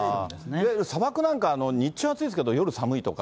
いわゆる砂漠なんか、日中暑いけど、夜寒いとか。